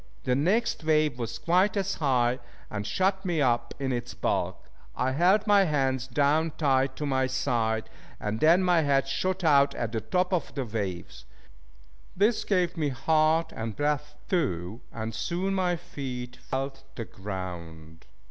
The next wave was quite as high, and shut me up in its bulk. I held my hands down tight to my side, and then my head shot out at the top of the waves. This gave me heart and breath too, and soon my feet felt the ground.